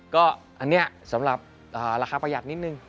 ก็อันนี้สำหรับราคาประหยัดนิดนึง